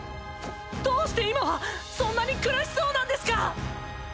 どうして今はそんなに苦しそうなんですか！